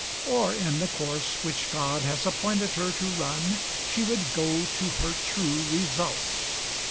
Or in the course which God has appointed her to run she would go to her true results.